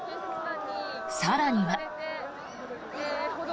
更には。